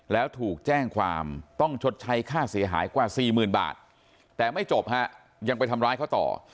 แล้วถูกแจ้งความต้องชดใช้ค่าเสียหายกว่าสี่หมื่นบาทแต่ไม่จบฮะยังไปทำร้ายเขาต่อ